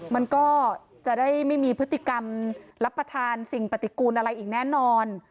มันก็จะได้ไม่มีพฤติกรรมรับประทานสิ่งปฏิกูลอะไรอีกแน่นอน